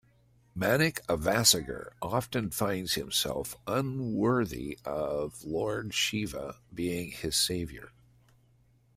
Manickavasagar often finds himself unworthy of lord Shiva being his saviour.